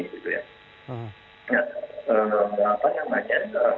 nah apa yang saya tanya adalah